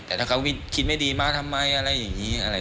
แต่ถ้าเขาคิดไม่ดีมาทำไมอะไรอย่างนี้